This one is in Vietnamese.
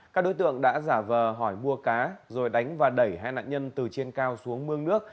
các đối tượng đã giả vờ hỏi mua cá rồi đánh và đẩy hai nạn nhân từ trên cao xuống mương nước